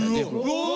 うわ！